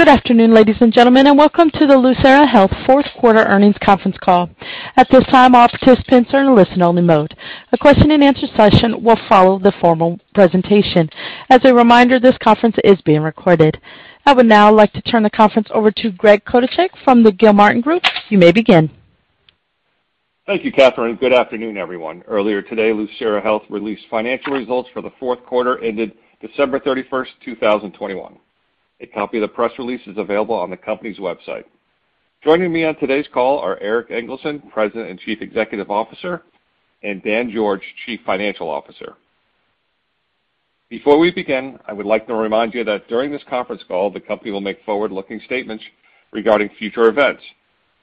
Good afternoon, ladies and gentlemen, and welcome to the Lucira Health fourth quarter earnings conference call. At this time, all participants are in listen-only mode. A question-and-answer session will follow the formal presentation. As a reminder, this conference is being recorded. I would now like to turn the conference over to Greg Chodaczek from the Gilmartin Group. You may begin. Thank you, Catherine. Good afternoon, everyone. Earlier today, Lucira Health released financial results for the fourth quarter ended December 31st, 2021. A copy of the press release is available on the company's website. Joining me on today's call are Erik Engelson, President and Chief Executive Officer, and Dan George, Chief Financial Officer. Before we begin, I would like to remind you that during this conference call, the company will make forward-looking statements regarding future events.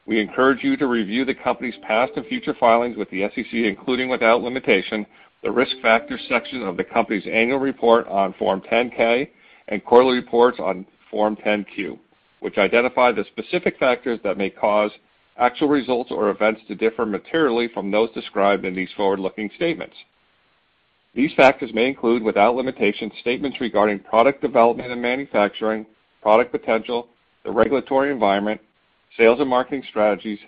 We encourage you to review the company's past and future filings with the SEC, including without limitation, the Risk Factors section of the company's annual report on Form 10-K and quarterly reports on Form 10-Q, which identify the specific factors that may cause actual results or events to differ materially from those described in these forward-looking statements. These factors may include, without limitation, statements regarding product development and manufacturing, product potential, the regulatory environment, sales and marketing strategies,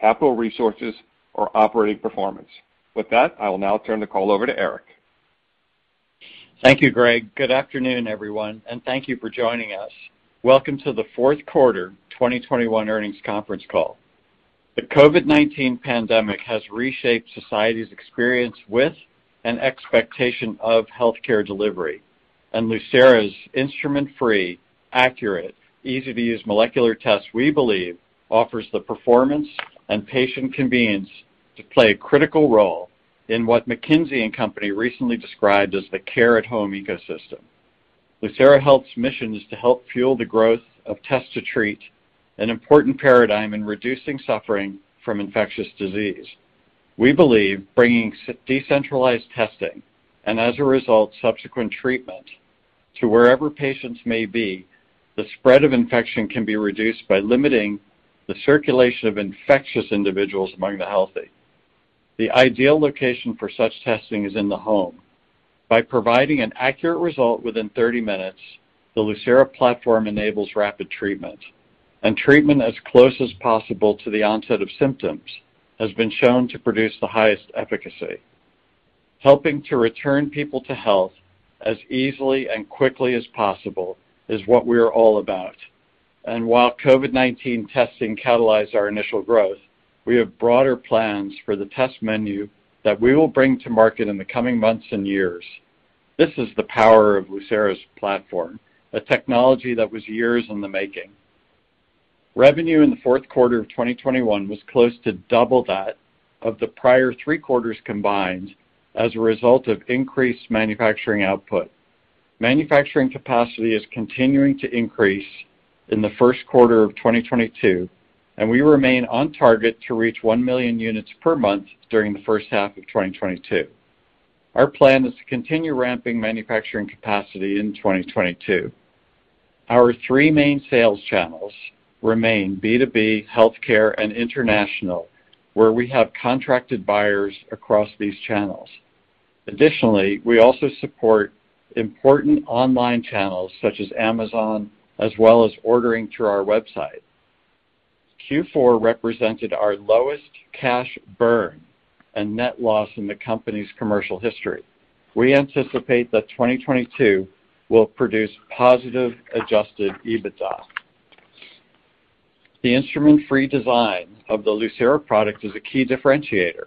capital resources, or operating performance. With that, I will now turn the call over to Erik. Thank you, Greg. Good afternoon, everyone, and thank you for joining us. Welcome to the fourth quarter 2021 earnings conference call. The COVID-19 pandemic has reshaped society's experience with and expectation of healthcare delivery, and Lucira's instrument-free, accurate, easy-to-use molecular test, we believe, offers the performance and patient convenience to play a critical role in what McKinsey & Company recently described as the care-at-home ecosystem. Lucira Health's mission is to help fuel the growth of test to treat, an important paradigm in reducing suffering from infectious disease. We believe bringing decentralized testing, and as a result, subsequent treatment, to wherever patients may be, the spread of infection can be reduced by limiting the circulation of infectious individuals among the healthy. The ideal location for such testing is in the home. By providing an accurate result within 30 minutes, the Lucira platform enables rapid treatment, and treatment as close as possible to the onset of symptoms has been shown to produce the highest efficacy. Helping to return people to health as easily and quickly as possible is what we are all about. While COVID-19 testing catalyzed our initial growth, we have broader plans for the test menu that we will bring to market in the coming months and years. This is the power of Lucira's platform, a technology that was years in the making. Revenue in the fourth quarter of 2021 was close to double that of the prior three quarters combined as a result of increased manufacturing output. Manufacturing capacity is continuing to increase in the first quarter of 2022, and we remain on target to reach 1 million units per month during the first half of 2022. Our plan is to continue ramping manufacturing capacity in 2022. Our three main sales channels remain B2B, healthcare, and international, where we have contracted buyers across these channels. Additionally, we also support important online channels such as Amazon as well as ordering through our website. Q4 represented our lowest cash burn and net loss in the company's commercial history. We anticipate that 2022 will produce positive adjusted EBITDA. The instrument-free design of the Lucira product is a key differentiator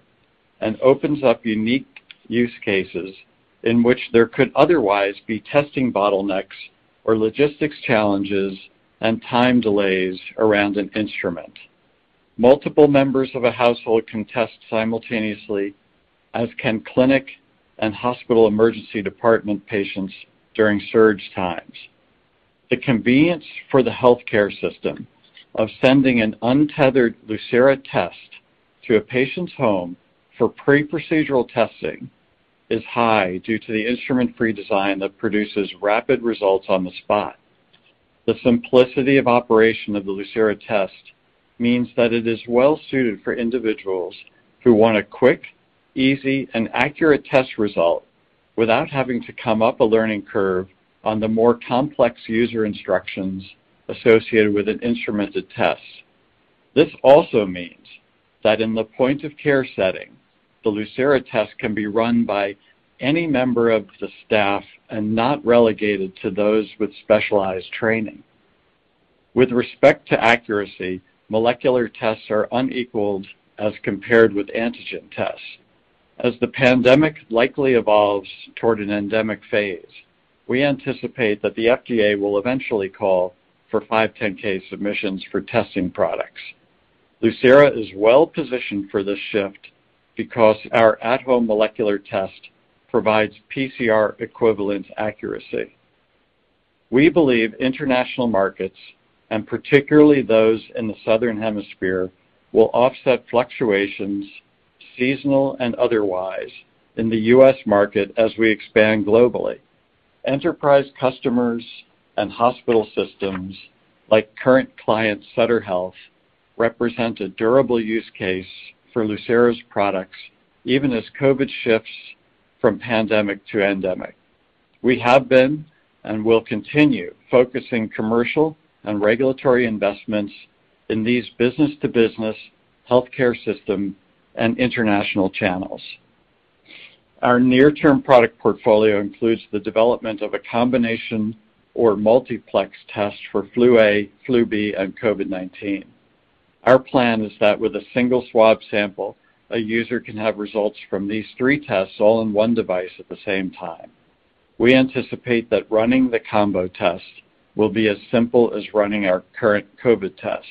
and opens up unique use cases in which there could otherwise be testing bottlenecks or logistics challenges and time delays around an instrument. Multiple members of a household can test simultaneously, as can clinic and hospital emergency department patients during surge times. The convenience for the healthcare system of sending an untethered Lucira test to a patient's home for pre-procedural testing is high due to the instrument-free design that produces rapid results on the spot. The simplicity of operation of the Lucira test means that it is well suited for individuals who want a quick, easy, and accurate test result without having to come up a learning curve on the more complex user instructions associated with an instrumented test. This also means that in the point-of-care setting, the Lucira test can be run by any member of the staff and not relegated to those with specialized training. With respect to accuracy, molecular tests are unequaled as compared with antigen tests. As the pandemic likely evolves toward an endemic phase, we anticipate that the FDA will eventually call for 510(k) submissions for testing products. Lucira is well positioned for this shift because our at-home molecular test provides PCR equivalent accuracy. We believe international markets, and particularly those in the southern hemisphere, will offset fluctuations, seasonal and otherwise, in the U.S. market as we expand globally. Enterprise customers and hospital systems like current client Sutter Health represent a durable use case for Lucira's products, even as COVID shifts from pandemic to endemic. We have been and will continue focusing commercial and regulatory investments in these business-to-business healthcare system and international channels. Our near-term product portfolio includes the development of a combination or multiplex test for flu A, flu B, and COVID-19. Our plan is that with a single swab sample, a user can have results from these three tests all in one device at the same time. We anticipate that running the combo test will be as simple as running our current COVID test.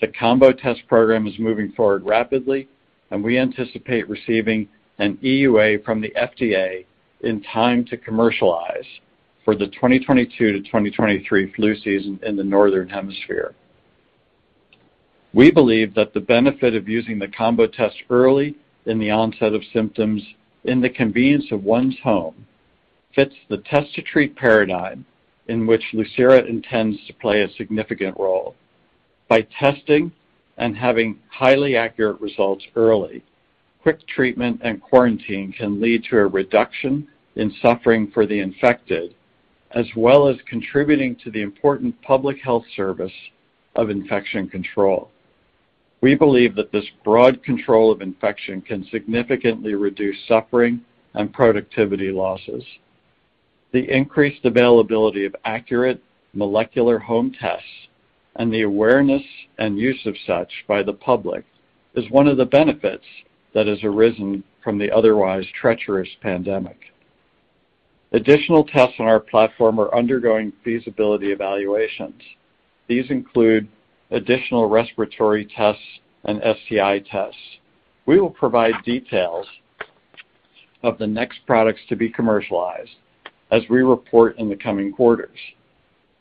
The combo test program is moving forward rapidly, and we anticipate receiving an EUA from the FDA in time to commercialize for the 2022-2023 flu season in the Northern Hemisphere. We believe that the benefit of using the combo test early in the onset of symptoms in the convenience of one's home fits the test-to-treat paradigm in which Lucira intends to play a significant role. By testing and having highly accurate results early, quick treatment and quarantine can lead to a reduction in suffering for the infected, as well as contributing to the important public health service of infection control. We believe that this broad control of infection can significantly reduce suffering and productivity losses. The increased availability of accurate molecular home tests and the awareness and use of such by the public is one of the benefits that has arisen from the otherwise treacherous pandemic. Additional tests on our platform are undergoing feasibility evaluations. These include additional respiratory tests and SCI tests. We will provide details of the next products to be commercialized as we report in the coming quarters.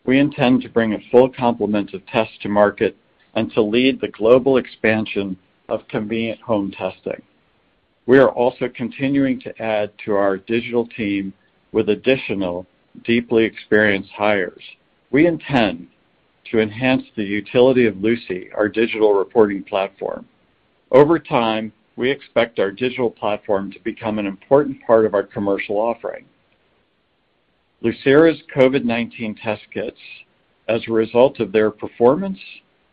We intend to bring a full complement of tests to market and to lead the global expansion of convenient home testing. We are also continuing to add to our digital team with additional deeply experienced hires. We intend to enhance the utility of LUCI, our digital reporting platform. Over time, we expect our digital platform to become an important part of our commercial offering. Lucira's COVID-19 test kits are, as a result of their performance,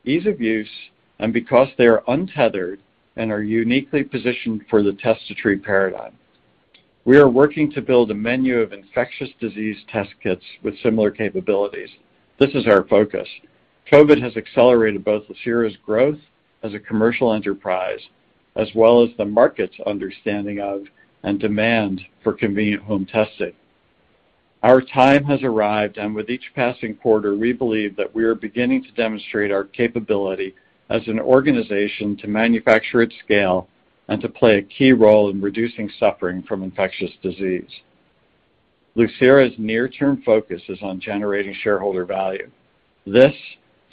ease of use, and because they are untethered, uniquely positioned for the test-to-treat paradigm. We are working to build a menu of infectious disease test kits with similar capabilities. This is our focus. COVID has accelerated both Lucira's growth as a commercial enterprise, as well as the market's understanding of and demand for convenient home testing. Our time has arrived, and with each passing quarter, we believe that we are beginning to demonstrate our capability as an organization to manufacture at scale and to play a key role in reducing suffering from infectious disease. Lucira's near-term focus is on generating shareholder value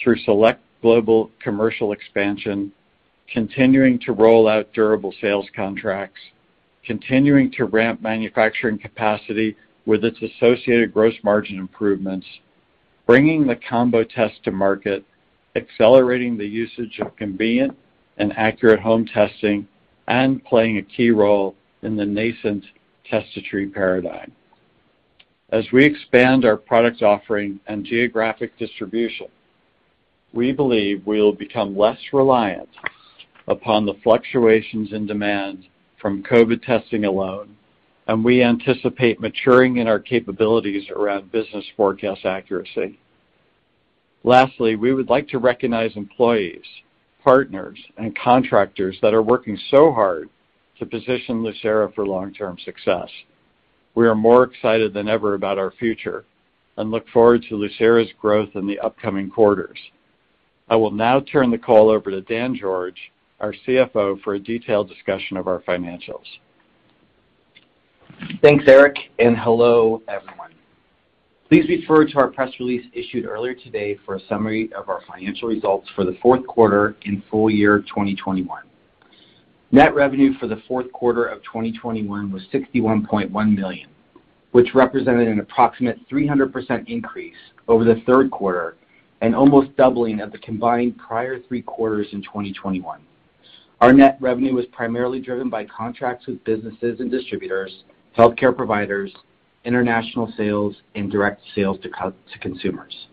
through select global commercial expansion, continuing to roll out durable sales contracts, continuing to ramp manufacturing capacity with its associated gross margin improvements, bringing the combo test to market, accelerating the usage of convenient and accurate home testing, and playing a key role in the nascent test-to-treat paradigm. As we expand our product offering and geographic distribution, we believe we will become less reliant upon the fluctuations in demand from COVID testing alone, and we anticipate maturing in our capabilities around business forecast accuracy. Lastly, we would like to recognize employees, partners, and contractors that are working so hard to position Lucira for long-term success. We are more excited than ever about our future and look forward to Lucira's growth in the upcoming quarters. I will now turn the call over to Dan George, our CFO, for a detailed discussion of our financials. Thanks, Erik, and hello, everyone. Please refer to our press release issued earlier today for a summary of our financial results for the fourth quarter and full year 2021. Net revenue for the fourth quarter of 2021 was $61.1 million, which represented an approximate 300% increase over the third quarter and almost doubling of the combined prior three quarters in 2021. Our net revenue was primarily driven by contracts with businesses and distributors, healthcare providers, international sales, and direct sales to consumers.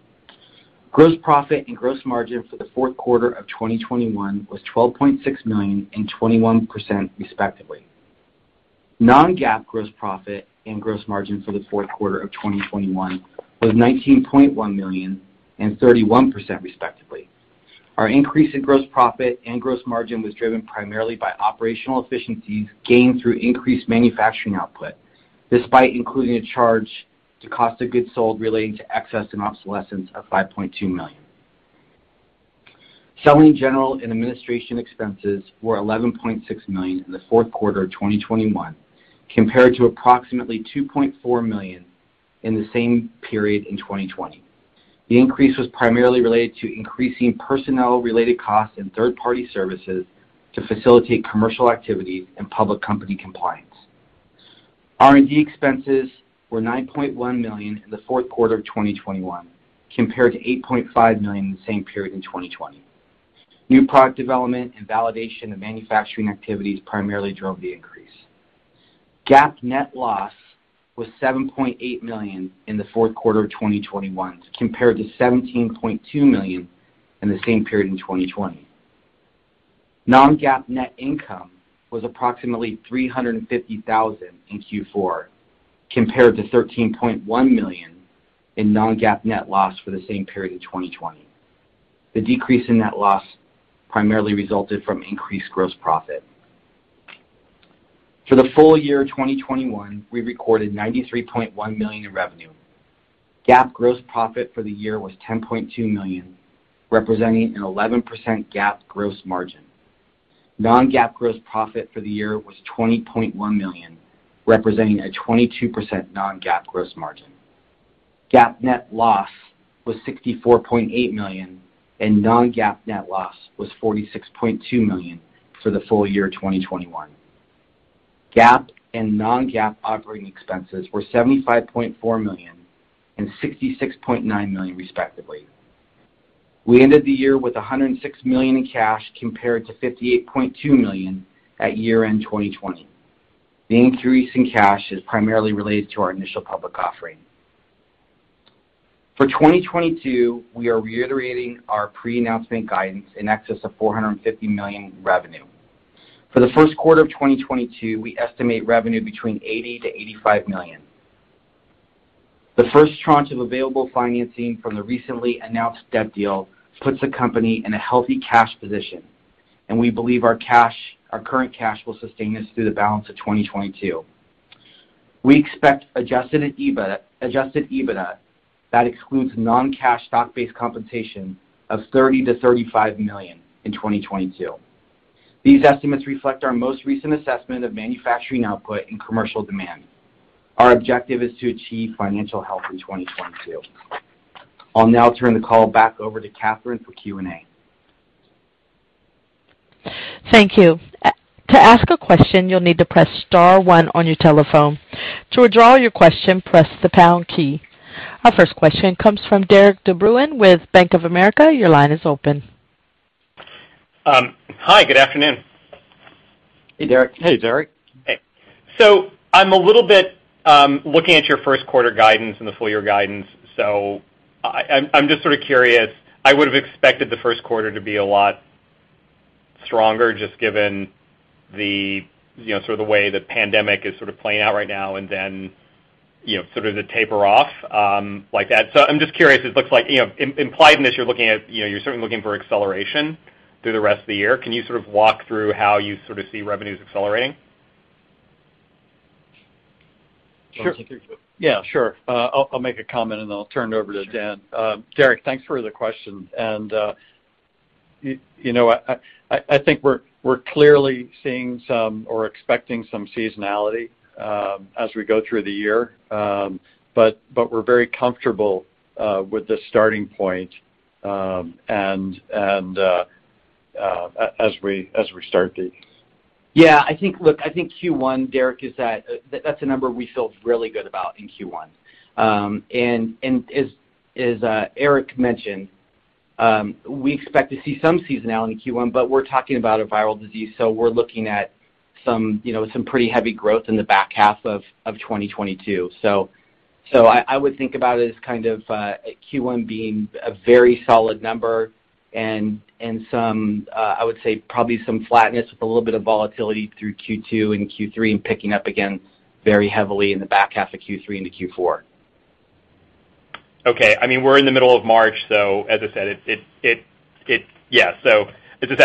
Gross profit and gross margin for the fourth quarter of 2021 was $12.6 million and 21% respectively. Non-GAAP gross profit and gross margin for the fourth quarter of 2021 was $19.1 million and 31% respectively. Our increase in gross profit and gross margin was driven primarily by operational efficiencies gained through increased manufacturing output, despite including a charge to cost of goods sold relating to excess and obsolescence of $5.2 million. Selling, general, and administrative expenses were $11.6 million in the fourth quarter of 2021, compared to approximately $2.4 million in the same period in 2020. The increase was primarily related to increasing personnel-related costs and third-party services to facilitate commercial activity and public company compliance. R&D expenses were $9.1 million in the fourth quarter of 2021, compared to $8.5 million in the same period in 2020. New product development and validation of manufacturing activities primarily drove the increase. GAAP net loss was $7.8 million in the fourth quarter of 2021, compared to $17.2 million in the same period in 2020. Non-GAAP net income was approximately $350 thousand in Q4, compared to $13.1 million non-GAAP net loss for the same period in 2020. The decrease in net loss primarily resulted from increased gross profit. For the full year 2021, we recorded $93.1 million in revenue. GAAP gross profit for the year was $10.2 million, representing an 11% GAAP gross margin. Non-GAAP gross profit for the year was $20.1 million, representing a 22% non-GAAP gross margin. GAAP net loss was $64.8 million, and non-GAAP net loss was $46.2 million for the full year 2021. GAAP and non-GAAP operating expenses were $75.4 million and $66.9 million, respectively. We ended the year with $106 million in cash compared to $58.2 million at year-end 2020. The increase in cash is primarily related to our initial public offering. For 2022, we are reiterating our pre-announcement guidance in excess of $450 million in revenue. For the first quarter of 2022, we estimate revenue between $80 million-$85 million. The first tranche of available financing from the recently announced debt deal puts the company in a healthy cash position, and we believe our current cash will sustain us through the balance of 2022. We expect adjusted EBITDA that excludes non-cash stock-based compensation of $30 million-$35 million in 2022. These estimates reflect our most recent assessment of manufacturing output and commercial demand. Our objective is to achieve financial health in 2022. I'll now turn the call back over to Catherine for Q&A. Thank you. To ask a question, you'll need to press star one on your telephone. To withdraw your question, press the pound key. Our first question comes from Derik de Bruin with Bank of America. Your line is open. Hi, good afternoon. Hey, Derik. Hey, Derik. Hey. I'm a little bit looking at your first quarter guidance and the full year guidance, I'm just sort of curious. I would have expected the first quarter to be a lot stronger just given the, you know, sort of the way the pandemic is sort of playing out right now and then, you know, sort of the taper off, like that. I'm just curious, it looks like, you know, implied in this, you're looking at, you know, you're certainly looking for acceleration through the rest of the year. Can you sort of walk through how you sort of see revenues accelerating? Sure. Yeah, sure. I'll make a comment, and then I'll turn it over to Dan. Derik, thanks for the question. You know what? I think we're clearly seeing some or expecting some seasonality as we go through the year. But we're very comfortable with the starting point, and as we start the. I think Q1, Derik, that's a number we feel really good about in Q1. As Eric mentioned, we expect to see some seasonality in Q1, but we're talking about a viral disease, so we're looking at some, you know, some pretty heavy growth in the back half of 2022. I would think about it as kind of Q1 being a very solid number and some I would say probably some flatness with a little bit of volatility through Q2 and Q3 and picking up again very heavily in the back half of Q3 into Q4. Okay. I mean, we're in the middle of March. As I said, I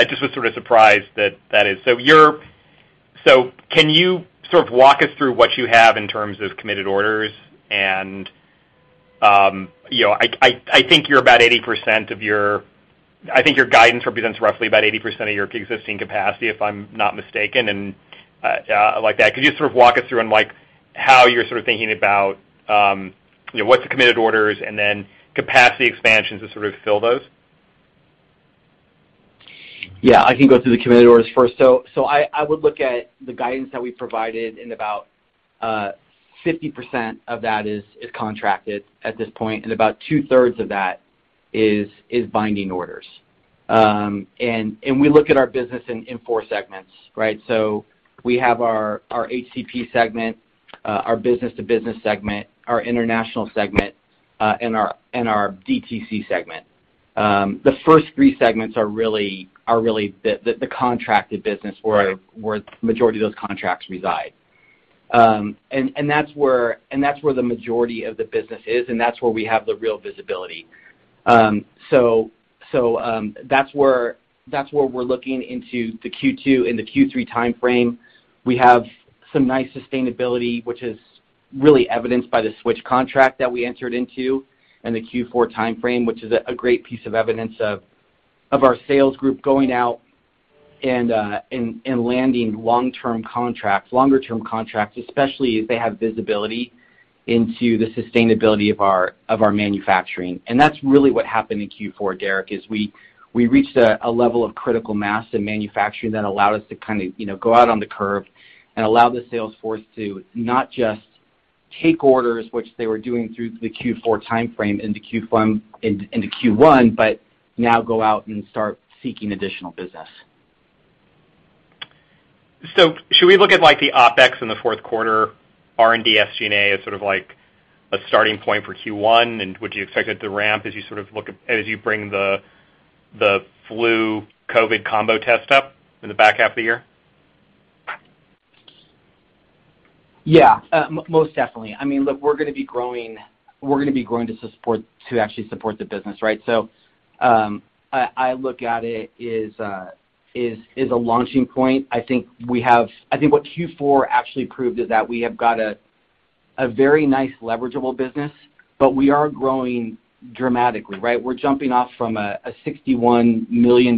just was sort of surprised that that is. Can you sort of walk us through what you have in terms of committed orders? You know, I think you're about 80% of your. I think your guidance represents roughly about 80% of your existing capacity, if I'm not mistaken, and like that. Could you sort of walk us through on, like, how you're sort of thinking about, you know, what's the committed orders and then capacity expansions to sort of fill those? Yeah. I can go through the committed orders first. I would look at the guidance that we provided, and about 50% of that is contracted at this point, and about two-thirds of that is binding orders. We look at our business in four segments, right? We have our HCP segment, our business-to-business segment, our international segment, and our DTC segment. The first three segments are really the contracted business where Right. where the majority of those contracts reside. That's where the majority of the business is, and that's where we have the real visibility. That's where we're looking into the Q2 and the Q3 timeframe. We have some nice sustainability, which is really evidenced by the Switch contract that we entered into in the Q4 timeframe, which is a great piece of evidence of our sales group going out and landing long-term contracts, especially if they have visibility into the sustainability of our manufacturing. That's really what happened in Q4, Derik, is we reached a level of critical mass in manufacturing that allowed us to kinda, you know, go out on the curve and allow the sales force to not just take orders, which they were doing through the Q4 timeframe into Q1, but now go out and start seeking additional business. Should we look at like the OpEx in the fourth quarter R&D SG&A as sort of like a starting point for Q1? Would you expect it to ramp as you sort of bring the flu COVID combo test up in the back half of the year? Yeah, most definitely. I mean, look, we're gonna be growing to support the business, right? I look at it as a launching point. I think what Q4 actually proved is that we have got a very nice leverageable business, but we are growing dramatically, right? We're jumping off from a $61 million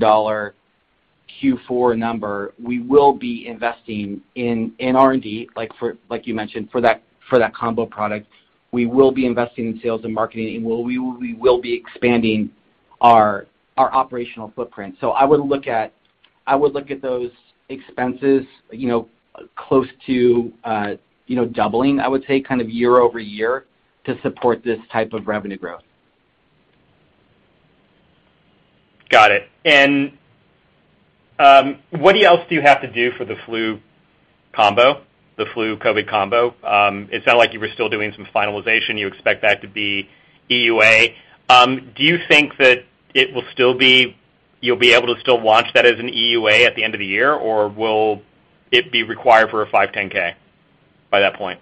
Q4 number. We will be investing in R&D, like you mentioned, for that combo product. We will be investing in sales and marketing, and we will be expanding our operational footprint. I would look at those expenses, you know, close to doubling, I would say, kind of year-over-year to support this type of revenue growth. Got it. What else do you have to do for the flu combo, the flu COVID combo? It's not like you were still doing some finalization. You expect that to be EUA. Do you think you'll be able to still launch that as an EUA at the end of the year, or will it be required for a 510(k) by that point?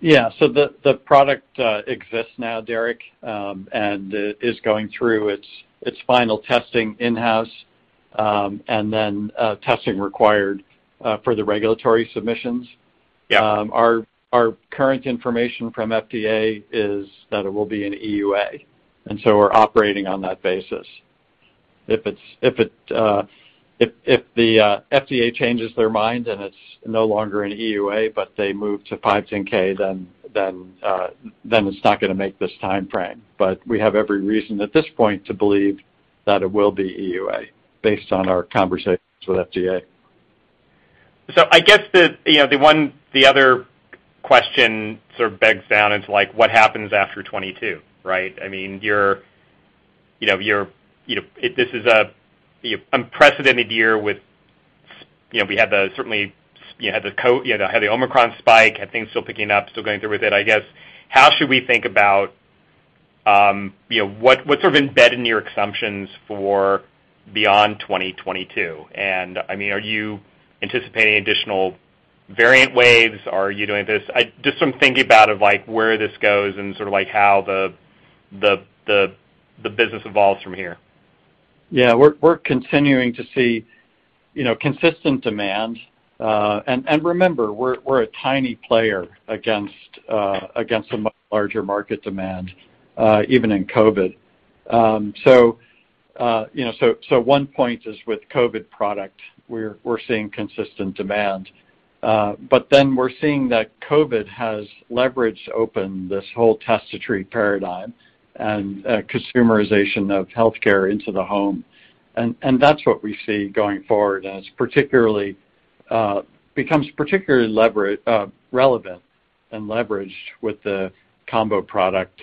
Yeah. The product exists now, Derik, and is going through its final testing in-house, and then testing required for the regulatory submissions. Yeah. Our current information from FDA is that it will be an EUA, and so we're operating on that basis. If the FDA changes their mind and it's no longer an EUA, but they move to 510(k), then it's not gonna make this timeframe. We have every reason at this point to believe that it will be EUA based on our conversations with FDA. I guess the other question sort of boils down to like what happens after 2022, right? I mean, you know, this is an unprecedented year with you know the Omicron spike, had things still picking up, still going through with it. I guess how should we think about you know what what's sort of embedded in your assumptions for beyond 2022? And I mean are you anticipating additional variant waves? Are you doing this? I'm just thinking about like where this goes and sort of like how the business evolves from here. Yeah. We're continuing to see, you know, consistent demand. Remember, we're a tiny player against a much larger market demand, even in COVID. One point is with COVID product, we're seeing consistent demand. We're seeing that COVID has leveraged open this whole test-to-treat paradigm and consumerization of healthcare into the home. That's what we see going forward, and it's particularly relevant and leveraged with the combo product.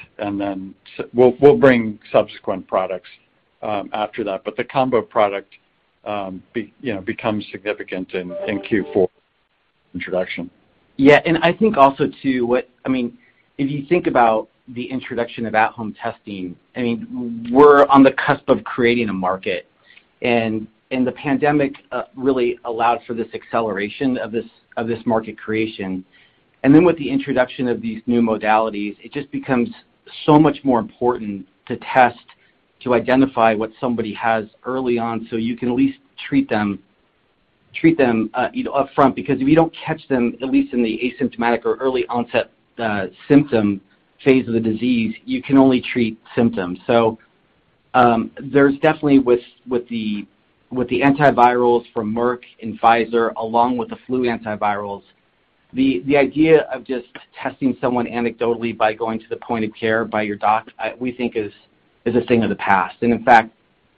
We'll bring subsequent products after that. The combo product becomes significant in Q4 introduction. Yeah. I think also too, I mean, if you think about the introduction of at-home testing, I mean, we're on the cusp of creating a market. The pandemic really allowed for this acceleration of this market creation. Then with the introduction of these new modalities, it just becomes so much more important to test, to identify what somebody has early on, so you can at least treat them, you know, upfront. Because if you don't catch them, at least in the asymptomatic or early onset symptom phase of the disease, you can only treat symptoms. There's definitely with the antivirals from Merck and Pfizer, along with the flu antivirals, the idea of just testing someone anecdotally by going to the point of care by your doc. We think is a thing of the past. In fact,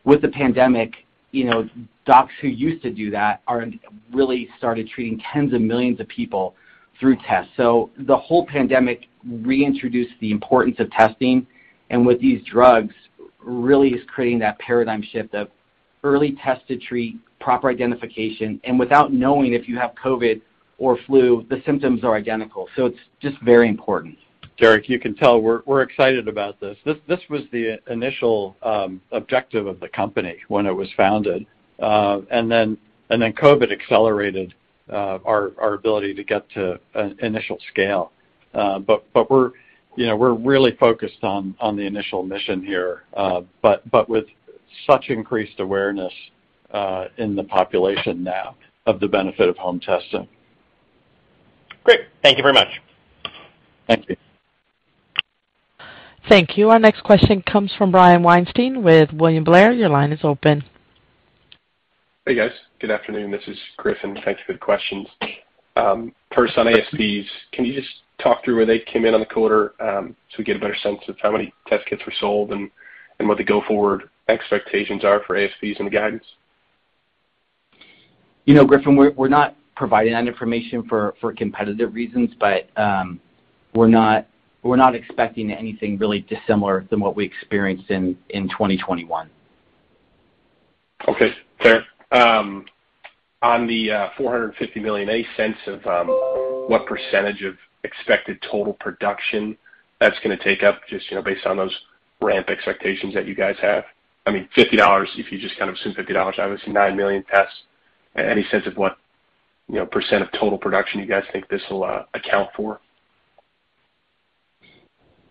with the pandemic, you know, docs who used to do that have really started treating tens of millions of people through tests. The whole pandemic reintroduced the importance of testing, and with these drugs, really is creating that paradigm shift of early test to treat proper identification. Without knowing if you have COVID-19 or flu, the symptoms are identical. It's just very important. Derik, you can tell we're excited about this. This was the initial objective of the company when it was founded. COVID accelerated our ability to get to initial scale. We're, you know, really focused on the initial mission here. With such increased awareness in the population now of the benefit of home testing. Great. Thank you very much. Thank you. Thank you. Our next question comes from Griffin Soriano with William Blair. Your line is open. Hey, guys. Good afternoon. This is Griffin. Thank you for the questions. First on ASPs, can you just talk through where they came in on the quarter, so we get a better sense of how many test kits were sold and what the go-forward expectations are for ASPs and the guidance? You know, Griffin, we're not providing that information for competitive reasons, but we're not expecting anything really dissimilar than what we experienced in 2021. Okay. Fair. On the $450 million, any sense of what percentage of expected total production that's gonna take up just, you know, based on those ramp expectations that you guys have? I mean, $50, if you just kind of assume $50, obviously 9 million tests. Any sense of what, you know, percent of total production you guys think this will account for?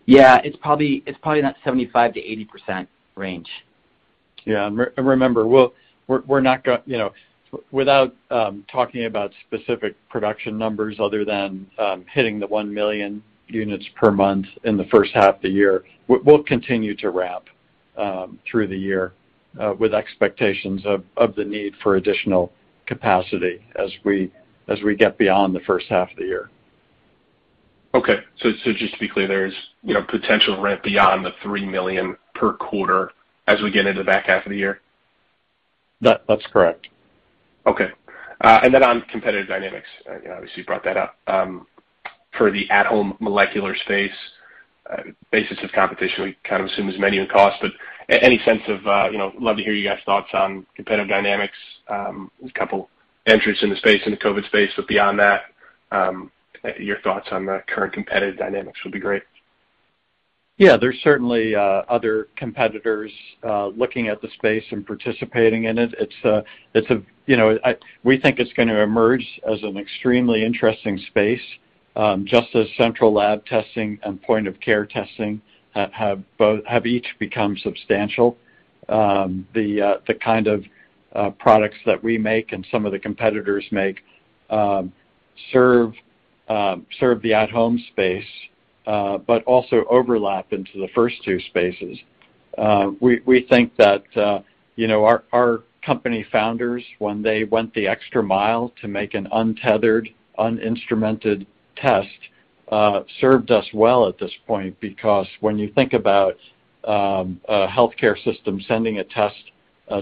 Yeah, it's probably in that 75%-80% range. Yeah. Remember, we're not, you know, without talking about specific production numbers other than hitting the 1 million units per month in the first half of the year. We'll continue to ramp through the year with expectations of the need for additional capacity as we get beyond the first half of the year. Okay. Just to be clear, there's, you know, potential ramp beyond the 3 million per quarter as we get into the back half of the year? That, that's correct. Okay. On competitive dynamics, you know, obviously you brought that up, for the at-home molecular space, basis of competition, we kind of assume is menu and cost, but any sense of, you know, love to hear you guys' thoughts on competitive dynamics, a couple entries in the space, in the COVID space, but beyond that, your thoughts on the current competitive dynamics would be great. Yeah. There's certainly other competitors looking at the space and participating in it. It's you know we think it's gonna emerge as an extremely interesting space just as central lab testing and point of care testing have each become substantial. The kind of products that we make and some of the competitors make serve the at-home space but also overlap into the first two spaces. We think that, you know, our company founders, when they went the extra mile to make an untethered, uninstrumented test, served us well at this point because when you think about a healthcare system sending a test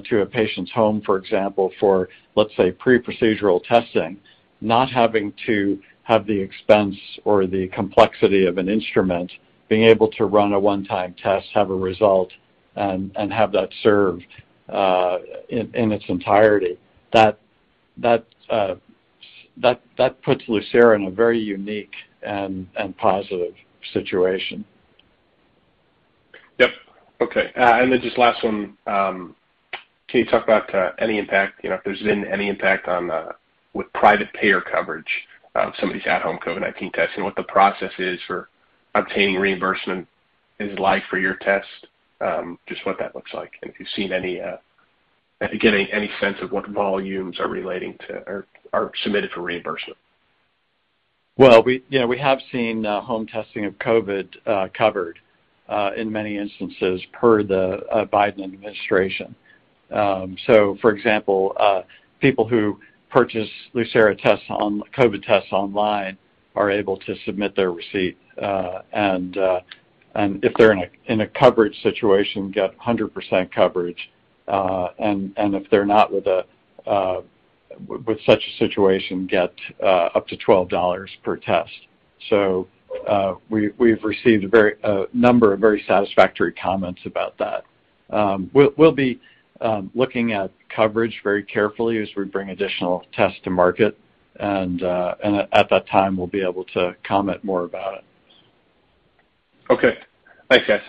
to a patient's home, for example, for let's say, pre-procedural testing, not having to have the expense or the complexity of an instrument, being able to run a one-time test, have a result, and have that served in its entirety, that puts Lucira in a very unique and positive situation. Yep. Okay. Just last one, can you talk about any impact, you know, if there's been any impact on with private payer coverage some of these at-home COVID-19 tests and what the process is for obtaining reimbursement is like for your test, just what that looks like, and if you've seen any if you get any sense of what volumes are relating to or submitted for reimbursement? Well, you know, we have seen home testing of COVID covered in many instances per the Biden administration. For example, people who purchase Lucira tests, COVID tests online are able to submit their receipt, and if they're in a coverage situation, get 100% coverage, and if they're not with such a situation, get up to $12 per test. We've received a number of very satisfactory comments about that. We'll be looking at coverage very carefully as we bring additional tests to market, and at that time, we'll be able to comment more about it. Okay. Thanks, guys.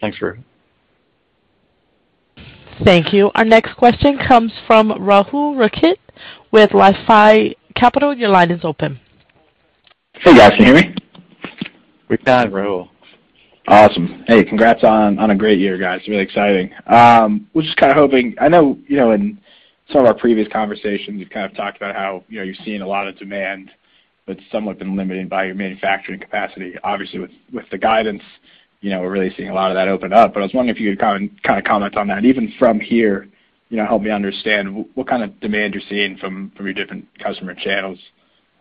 Thanks, Griffin. Thank you. Our next question comes from Rahul Rakhit with LifeSci Capital. Your line is open. Hey, guys. Can you hear me? We can, Rahul. Awesome. Hey, congrats on a great year, guys. Really exciting. I was just kind of hoping. I know, you know, in some of our previous conversations, you've kind of talked about how, you know, you're seeing a lot of demand that's somewhat been limited by your manufacturing capacity. Obviously, with the guidance, you know, we're really seeing a lot of that open up, but I was wondering if you could kind of comment on that, even from here, you know, help me understand what kind of demand you're seeing from your different customer channels,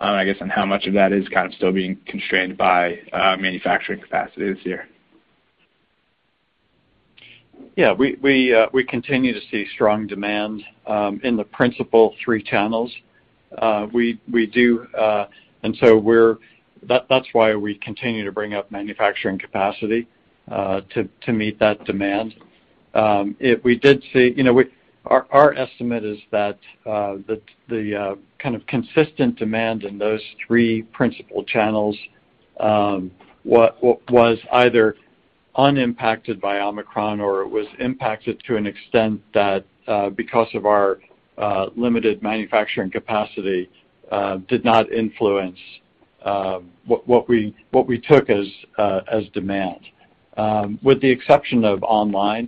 I guess, and how much of that is kind of still being constrained by manufacturing capacities here. Yeah. We continue to see strong demand in the principal three channels. We do, and that's why we continue to bring up manufacturing capacity to meet that demand. We did see, you know, our estimate is that the kind of consistent demand in those three principal channels was either unimpacted by Omicron or it was impacted to an extent that because of our limited manufacturing capacity did not influence what we took as demand, with the exception of online.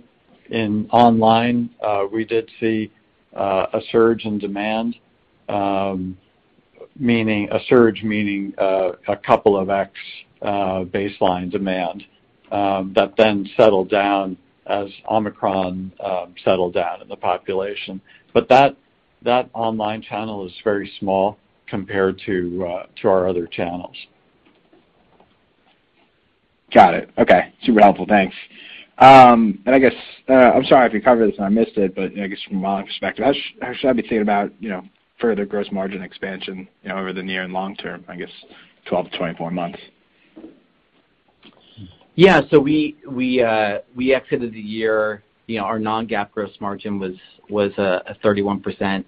In online, we did see a surge in demand, meaning a surge, meaning a couple of X baseline demand that then settled down as Omicron settled down in the population. That online channel is very small compared to our other channels. Got it. Okay. Super helpful. Thanks. I guess, I'm sorry if you covered this and I missed it, but, you know, I guess from my perspective, how should I be thinking about, you know, further gross margin expansion, you know, over the near and long term, I guess 12-24 months? Yeah. We exited the year. You know, our non-GAAP gross margin was a 31%.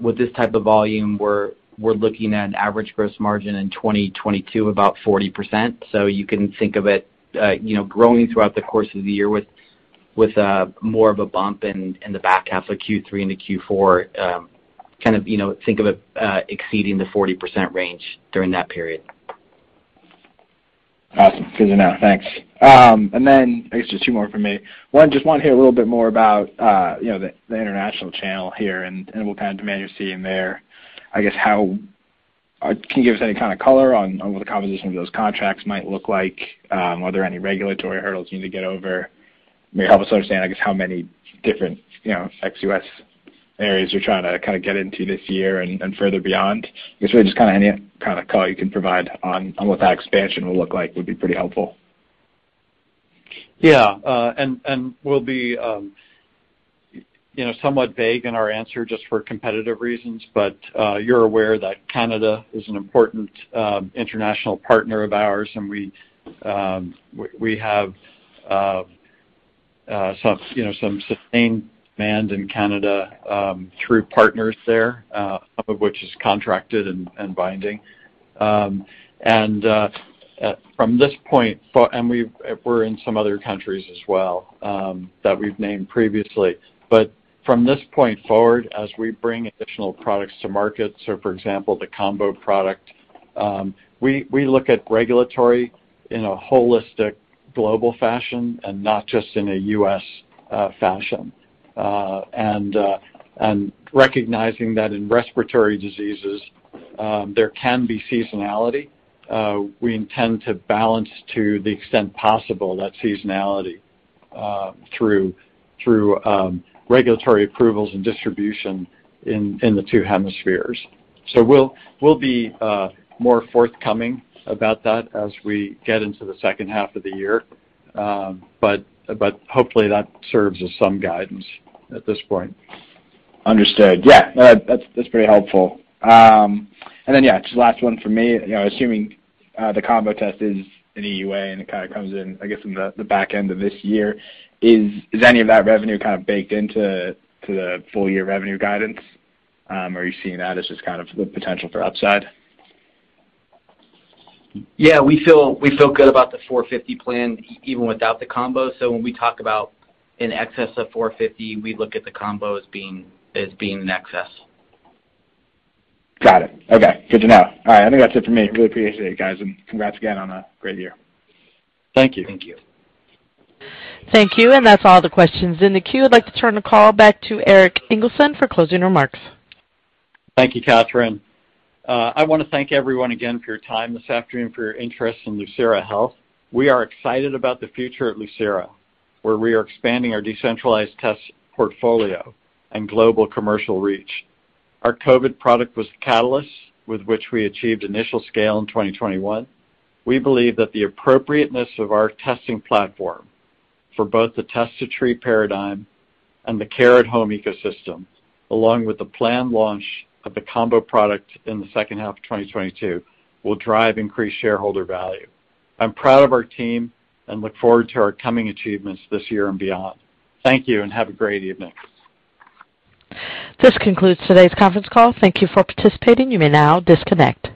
With this type of volume, we're looking at an average gross margin in 2022 about 40%. You can think of it, you know, growing throughout the course of the year with more of a bump in the back half of Q3 into Q4. Kind of, you know, think of it exceeding the 40% range during that period. Awesome. Good to know. Thanks. I guess just two more from me. One, just wanna hear a little bit more about, you know, the international channel here and what kind of demand you're seeing there. I guess how can you give us any kind of color on what the composition of those contracts might look like? Are there any regulatory hurdles you need to get over? Maybe help us understand, I guess, how many different, you know, ex-US areas you're trying to kind of get into this year and further beyond. I guess really just kinda any kind of color you can provide on what that expansion will look like would be pretty helpful. We'll be, you know, somewhat vague in our answer just for competitive reasons, but you're aware that Canada is an important international partner of ours, and we have some sustained demand in Canada through partners there, some of which is contracted and binding. We're in some other countries as well that we've named previously. From this point forward, as we bring additional products to market, so for example, the combo product, we look at regulatory in a holistic global fashion and not just in a U.S. fashion. Recognizing that in respiratory diseases, there can be seasonality, we intend to balance to the extent possible that seasonality through regulatory approvals and distribution in the two hemispheres. We'll be more forthcoming about that as we get into the second half of the year. Hopefully that serves as some guidance at this point. Understood. Yeah. No, that's pretty helpful. Yeah, just the last one from me. You know, assuming the combo test is in EUA, and it kinda comes in, I guess, in the back end of this year, is any of that revenue kind of baked into the full-year revenue guidance? Are you seeing that as just kind of the potential for upside? Yeah. We feel good about the 450 plan even without the combo. When we talk about in excess of 450, we look at the combo as being an excess. Got it. Okay. Good to know. All right. I think that's it for me. Really appreciate it, guys, and congrats again on a great year. Thank you. Thank you. Thank you. That's all the questions in the queue. I'd like to turn the call back to Erik Engelson for closing remarks. Thank you, Catherine. I wanna thank everyone again for your time this afternoon, for your interest in Lucira Health. We are excited about the future at Lucira, where we are expanding our decentralized test portfolio and global commercial reach. Our COVID product was the catalyst with which we achieved initial scale in 2021. We believe that the appropriateness of our testing platform for both the test-to-treat paradigm and the care at home ecosystem, along with the planned launch of the combo product in the second half of 2022, will drive increased shareholder value. I'm proud of our team and look forward to our coming achievements this year and beyond. Thank you, and have a great evening. This concludes today's conference call. Thank you for participating. You may now disconnect.